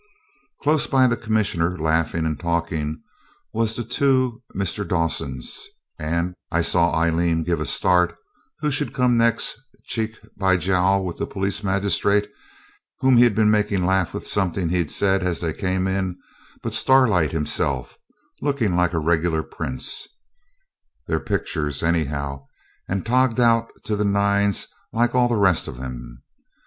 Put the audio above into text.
Close by the Commissioner, laughing and talking, was the two Mr. Dawsons; and I saw Aileen give a start who should come next, cheek by jowl with the police magistrate, whom he'd been making laugh with something he'd said as they came in, but Starlight himself, looking like a regular prince their pictures anyhow and togged out to the nines like all the rest of 'em.